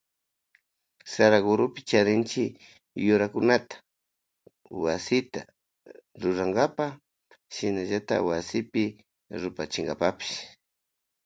Saraguropi charinchi yurakunata wasita rurankapa shinallata wasipi rupachinkapapash.